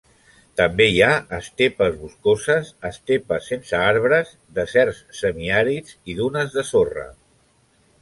També hi ha estepes boscoses, estepes sense arbres, deserts semiàrids, i dunes de sorra.